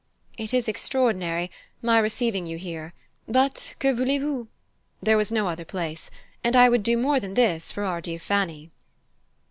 "It is extraordinary, my receiving you here; but que voulez vous? There was no other place, and I would do more than this for our dear Fanny."